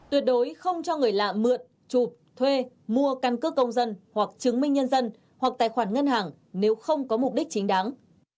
tuyệt đối không cho người lạ mượn chụp thuê mua căn cước công dân hoặc chứng minh nhân dân hoặc tài khoản ngân hàng nếu không có mục đích chính đáng